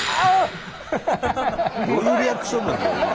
どういうリアクションなの？